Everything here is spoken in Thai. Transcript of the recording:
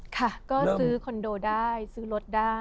ค่ะก็ซื้อคอนโดได้ซื้อรถได้